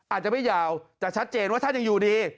อาจจะไม่ยาวแต่ชัดเจนว่าท่านยังอยู่ดี